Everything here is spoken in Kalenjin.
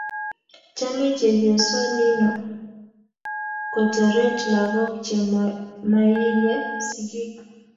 Chomei chepyosoo nino kotoret lakok che moyinye sikiik.